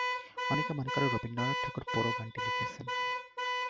অনেকে মনে করেন রবীন্দ্রনাথ ঠাকুর পুরো গানটি লিখেছেন।